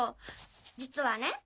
実はね。